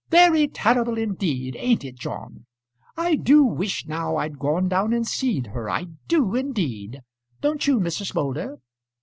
"Very terrible indeed; ain't it, John? I do wish now I'd gone down and see'd her, I do indeed. Don't you, Mrs. Moulder?"